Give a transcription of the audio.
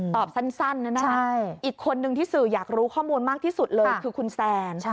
ตอบสั้นนะครับอีกคนนึงที่สื่ออยากรู้ข้อมูลมากที่สุดเลยคือคุณแซน